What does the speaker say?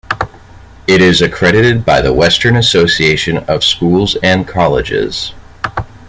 It is accredited by the Western Association of Schools and Colleges.